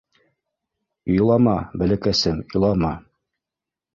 — Илама, бәләкәсем, илама.